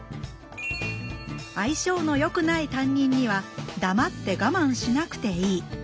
相性のよくない担任には黙ってガマンしなくていい。